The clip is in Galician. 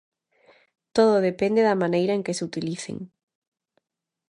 Todo depende da maneira en que se utilicen.